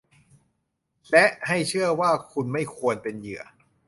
และให้เชื่อว่าคุณไม่ควรเป็นเหยื่อ